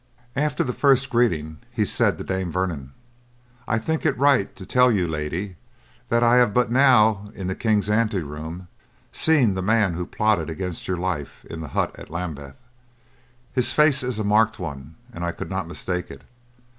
After the first greeting he said to Dame Vernon: "I think it right to tell you, lady, that I have but now, in the king's anteroom, seen the man who plotted against your life in the hut at Lambeth. His face is a marked one and I could not mistake it.